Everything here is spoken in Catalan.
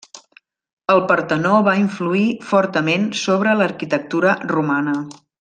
El Partenó va influir fortament sobre l'arquitectura romana.